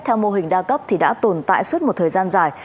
theo mô hình đa cấp thì đã tồn tại suốt một thời gian dài